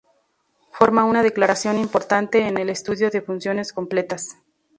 Forma una declaración importante en el estudio de funciones completas.